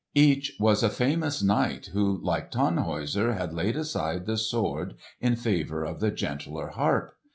Each was a famous knight who like Tannhäuser had laid aside the sword in favour of the gentler harp.